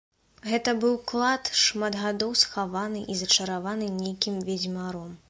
Гэта быў клад, шмат гадоў схаваны і зачараваны нейкім ведзьмаром.